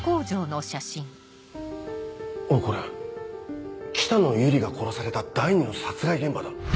おいこれ北野由里が殺された第２の殺害現場だ。